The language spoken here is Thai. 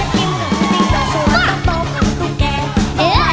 จากกิ้มก็คือจากส่วนตกก็คือตุ๊กแก